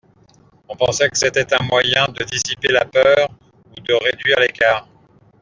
On pensait que c'était un moyen de dissiper le peur ou de réduire l'écart.